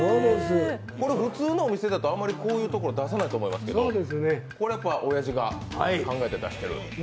これ、普通のお店だとあんまりこういうところは出さないと思うんですがおやじは考えて出してる？